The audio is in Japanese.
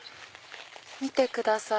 見てください